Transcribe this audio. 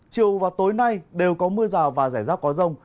chiều và tối nay đều có mưa rào và rải rác có rông